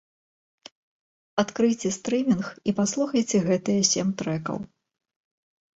Адкрыйце стрымінг і паслухайце гэтыя сем трэкаў.